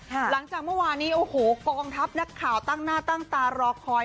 หลังจากเมื่อวานนี้โอ้โหกองทัพนักข่าวตั้งหน้าตั้งตารอคอย